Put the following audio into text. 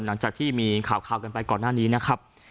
หลังจากที่มีข่าวกันไปก่อนหน้านี้นะครับ